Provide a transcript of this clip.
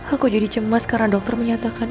aku jadi cemas karena dokter menyatakan